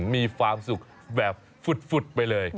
มีความสุขแบบฝุดไปเลย